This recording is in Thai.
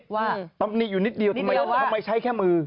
ตำหนิอยู่นิดเดียวทำไมใช้แค่มือ